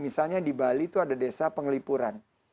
misalnya di bali itu ada desa pengelipuran